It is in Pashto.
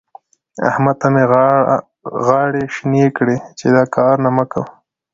احمد ته مې غاړې شينې کړې چې دا کارونه مه کوه.